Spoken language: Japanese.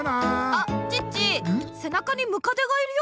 あっチッチせなかにムカデがいるよ。